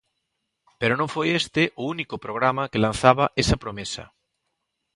Pero non foi este o "único" programa que lanzaba esa promesa.